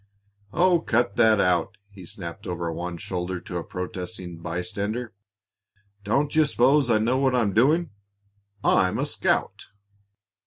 "Oh, cut that out!" he snapped over one shoulder to a protesting bystander. "Don't you s'pose I know what I'm doing? I'm a scout!"